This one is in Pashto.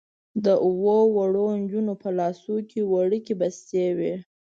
د اوو واړو نجونو په لاسونو کې وړوکې بستې وې.